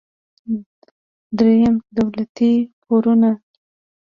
دریم: دولتي پورونه.